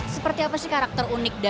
seperti apa sih karakter unik dari yogyakarta